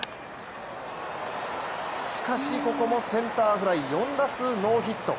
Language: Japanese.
しかしここもセンターフライ、４打数ノーヒット。